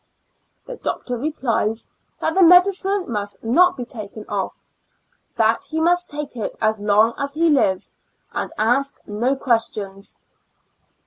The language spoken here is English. The doctor replies, " that the medicine must not be taken off ; that he must take it as long as he lives, and ask no questions.''